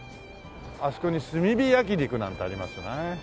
あそこに「炭火焼肉」なんてありますね。